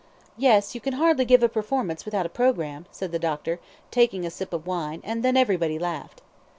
"Yes, you can hardly give a performance without a programme," said the doctor, taking a sip of wine, and then everybody laughed.